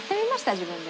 自分で。